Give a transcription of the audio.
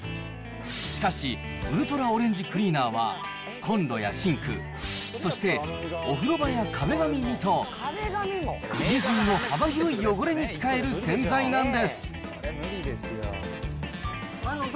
しかし、ウルトラオレンジクリーナーはコンロやシンク、そしてお風呂場や壁紙にと、家中の幅広い汚れに使える洗剤なんです。